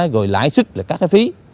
rồi lãi sức các phí